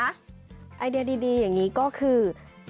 ไอเดียดีอย่างนี้ก็คือ